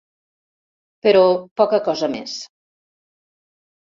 Però poca cosa més.